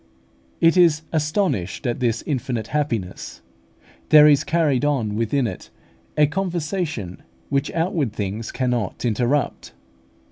It is astonished at this infinite happiness; there is carried on within it a conversation which outward things cannot interrupt.